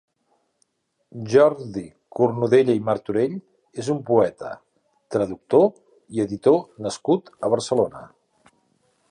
Jordi Cornudella i Martorell és un poeta, traductor i editor nascut a Barcelona.